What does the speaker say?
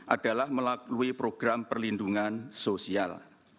adalah melalui program perlindungan sosial